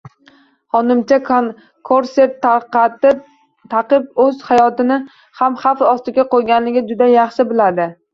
Xonimcha korset taqib o`z hayotini ham xavf ostiga qo`yayotganini juda yaxshi biladi